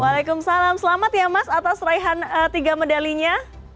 waalaikumsalam selamat ya mas atas raihan tiga medalinya